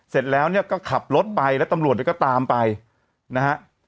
เสร็จแล้วเนี่ยก็ขับรถไปแล้วตำรวจเนี่ยก็ตามไปนะฮะ